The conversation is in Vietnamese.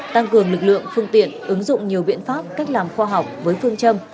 tăng cường lực lượng phương tiện ứng dụng nhiều biện pháp cách làm khoa học với phương châm